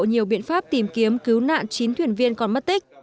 nhiều biện pháp tìm kiếm cứu nạn chín thuyền viên còn mất tích